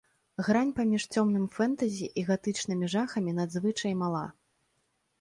Грань паміж цёмным фэнтэзі і гатычнымі жахамі надзвычай мала.